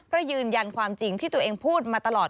เพื่อยืนยันความจริงที่ตัวเองพูดมาตลอด